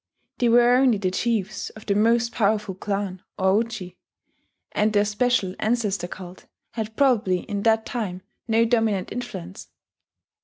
They were only the chiefs of the most powerful clan, or Uji, and their special ancestor cult had probably in that time no dominant influence.